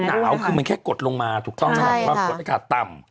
หนาวคือมันแค่กดลงมาถูกต้องนะครับความกดอากาศต่ำ